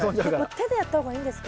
手でやった方がいいんですか？